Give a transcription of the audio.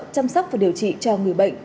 chăm sóc và điều trị cho người bệnh